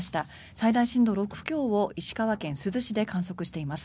最大震度６強を石川県珠洲市で観測しています。